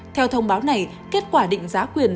theo thông báo này kết quả định giá quyền